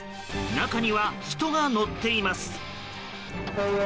中には人が乗っています。